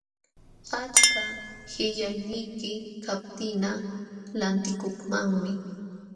Achka qillayniyki kaptinqa lantikukmanmi.